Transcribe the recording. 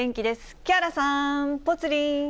木原さん、ぽつリン。